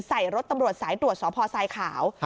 ใส่รถตำรวจสายตรวจสพทรายขาว